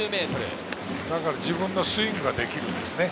だから自分のスイングができるんです。